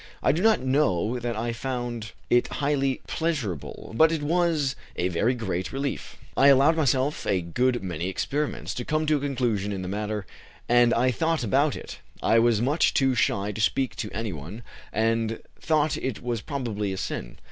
I do not know that I found it highly pleasurable, but it was a very great relief. I allowed myself a good many experiments, to come to a conclusion in the matter, and I thought about it. I was much too shy to speak to any one, and thought it was probably a sin.